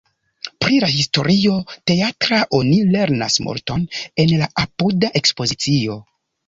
Pri la historio teatra oni lernas multon en la apuda ekspozicio.